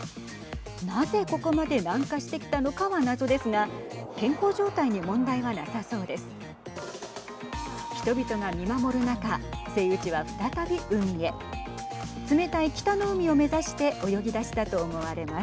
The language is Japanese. なぜ、ここまで南下してきたのかは謎ですが健康状態に問題はなさそうです。